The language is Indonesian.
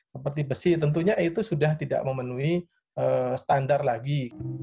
seperti besi tentunya itu sudah tidak memenuhi standar lagi